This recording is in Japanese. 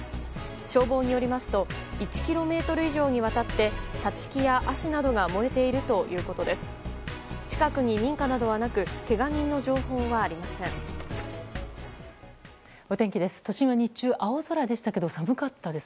消防によりますと１ｋｍ以上にわたって立ち木やアシなどが燃えているということです。